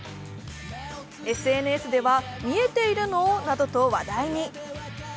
ＳＮＳでは見えているの？などと話題に。